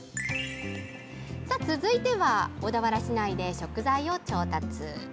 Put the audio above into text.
続いては小田原市内で食材を調達。